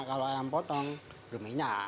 kalau ayam potong berminyak